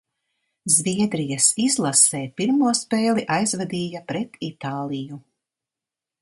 Zviedrijas izlasē pirmo spēli aizvadīja pret Itāliju.